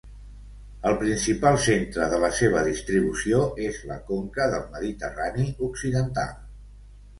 El principal centre de la seva distribució és la conca del Mediterrani occidental.